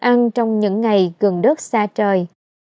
ăn trong những ngày gần đất xa trời